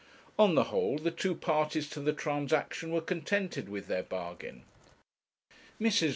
On the whole, the two parties to the transaction were contented with their bargain. Mrs.